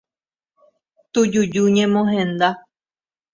Tujuju ñemohenda.